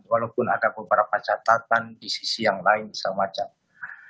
walaupun ada beberapa catatan di sisi yang lain semacamnya